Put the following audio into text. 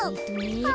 あ。